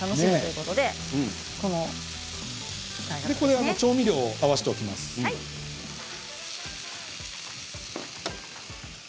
この間に調味料を合わせていきます。